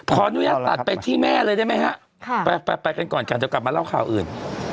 ขออนุญาตตัดไปที่แม่เลยได้ไหมฮะไปกันก่อนกันเดี๋ยวกลับมาเล่าข่าวอื่น